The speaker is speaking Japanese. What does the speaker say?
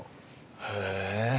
へえ。